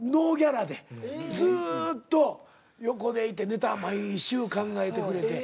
ずっと横でいてネタ毎週考えてくれて。